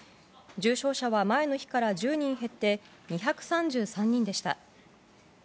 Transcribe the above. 重症者は前の日から１０人減って２３３人でした。